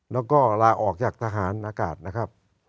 แล้วก็ลาออกจากทหารอากาศนะครับ